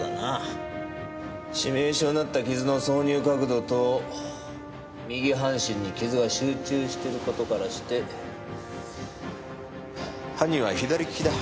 致命傷になった傷の挿入角度と右半身に傷が集中してる事からして犯人は左利きだ。